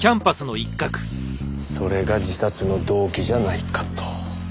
それが自殺の動機じゃないかと。